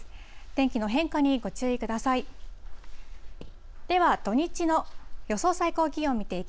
天気の変化にご注意ください。